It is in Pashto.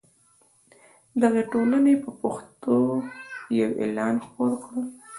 دغې ټولنې په پښتو یو اعلان خپور کړ.